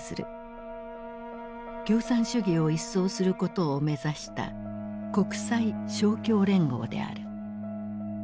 共産主義を一掃することを目指した国際勝共連合である。